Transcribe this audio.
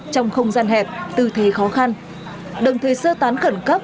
trong không gian hẹp tư thế khó khăn đồng thời sơ tán khẩn cấp